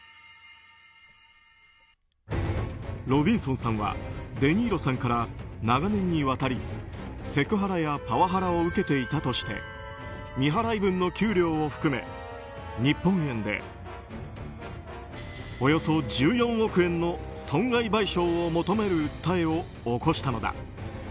ロビンソンさんはデ・ニーロさんから長年にわたりセクハラやパワハラを受けていたとして未払い分の給料を含め日本円でおよそ１４億円の損害賠償を求める訴えを起こしたのだ。